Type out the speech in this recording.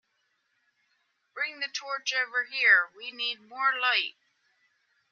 Bring the torch over here; we need more light